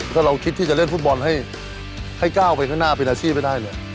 ถ้าเราคิดที่จะเล่นฟุตบอลให้ก้าวไปข้างหน้าเป็นอาชีพให้ได้เลย